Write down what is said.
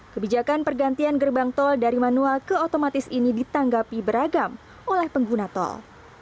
kebijakan pergantian gerbang tol dari manual ke otomatis ini ditanggapi beragam oleh pengguna tol